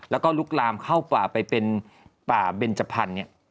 แล้วก็ลุกลามเข้าป่าไปเป็นป่าเบนจพันธุ์เนี่ย